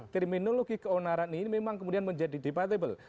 terminologi keonaran ini memang kemudian menjadi debatable